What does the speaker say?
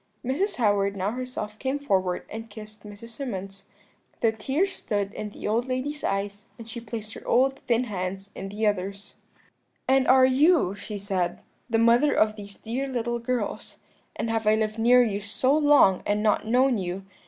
"Mrs. Howard now herself came forward and kissed Mrs. Symonds. The tears stood in the old lady's eyes, and she placed her old thin hands in the other's. "'And are you,' she said, 'the mother of these dear little girls? and have I lived near you so long and not known you?